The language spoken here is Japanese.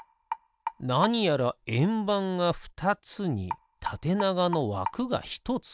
なにやらえんばんがふたつにたてながのわくがひとつ。